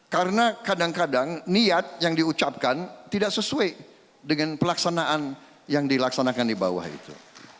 karena kadang kadang niat yang diucapkan tidak sesuai dengan pelaksanaan yang dilaksanakan di bawah itu